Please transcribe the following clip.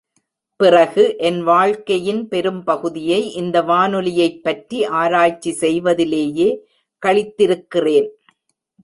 பிறகு, என் வாழ்க்கையின் பெரும்பகுதியை இந்த வானொலியைப் பற்றி ஆராய்ச்சி செய்வதிலேயே கழித்திருக்கிறேன்.